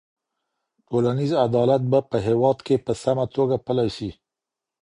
ټولنيز عدالت به په هيواد کي په سمه توګه پلی سي.